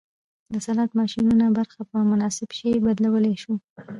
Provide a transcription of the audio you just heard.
د سلاټ ماشینونو برخه په مناسب شي بدلولی شو